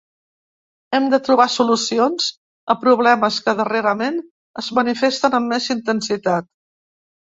Hem de trobar solucions a problemes que darrerament es manifesten amb més intensitat.